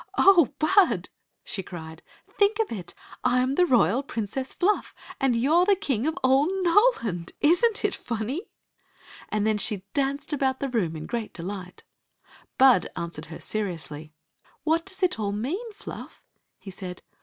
" Oh, Bud !" she cried, " think of it ! I 'm the royal Princess Fluff, and you 're the King of all Story of the Magic Cloak 57 Noland! Is n't it funny!" And then she danced about the room in great delight Bud answered her seriously. " What does it all mean, Fluff? " he said.